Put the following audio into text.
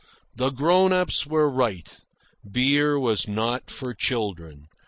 The grown ups were right. Beer was not for children.